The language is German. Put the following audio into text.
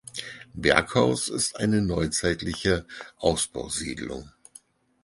Berghaus ist eine neuzeitliche Ausbausiedlung.